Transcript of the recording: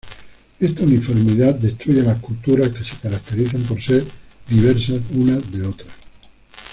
Esta uniformidad destruye las culturas que se caracterizan por ser diversas unas de otras.